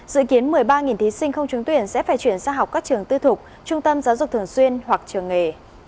dự kiến một mươi ba thí sinh không trúng tuyển sẽ phải chuyển sang học các trường tư thục trung tâm giáo dục thường xuyên hoặc trường nghề